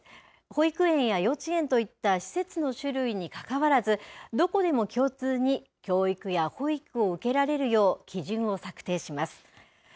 保育園や幼稚園といった施設の種類にかかわらず、どこでも共通に教育や保育を受けられるよう、基準を策定します。